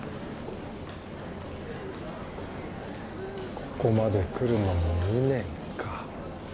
ここまで来るのに２年か。